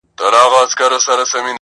د ها بل يوه لكۍ وه سل سرونه!.